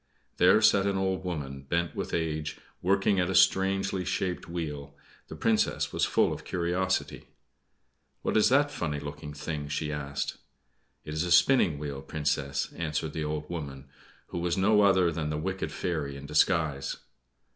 There sat an old woman, bent with age, working at a strangely shaped wheel. The Princess was full of curiosity. "What is that funny looking thing?" she asked. "It is a spinning wheel, Princess," answered the old woman, who was no other than the wicked fairy in disguise.